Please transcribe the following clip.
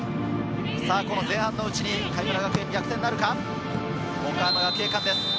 前半のうちに神村学園、逆転なるか？